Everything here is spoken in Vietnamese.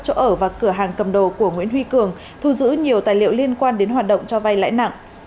chỗ ở và cửa hàng cầm đồ của nguyễn huy cường thu giữ nhiều tài liệu liên quan đến hoạt động cho vay lãi nặng